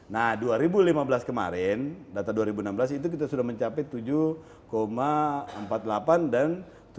nah dua ribu lima belas kemarin data dua ribu enam belas itu kita sudah mencapai tujuh empat puluh delapan dan tujuh puluh